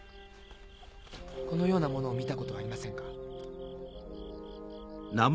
このようなものを見たことはありませんか？